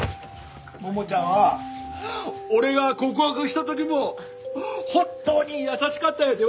桃ちゃんは俺が告白した時も本当に優しかったんやて！